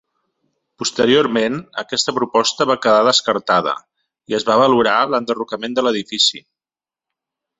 Posteriorment, aquesta proposta va quedar descartada i es va valorar l'enderrocament de l'edifici.